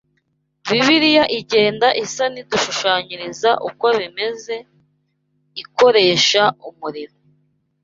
Bibiliya igenda isa n’idushushanyiriza uko bimeze, ikoresha umuriro